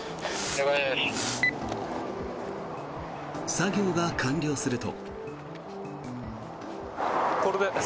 作業が完了すると。